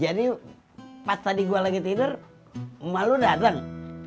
jadi pas tadi gua lagi tidur emak lu dateng